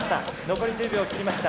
残り１０秒を切りました。